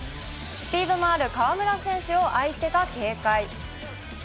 スピードのある河村選手を相手が警戒。